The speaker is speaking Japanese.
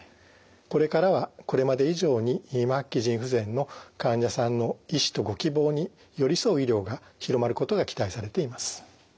これからはこれまで以上に末期腎不全の患者さんの意思とご希望に寄り添う医療が広まることが期待されています。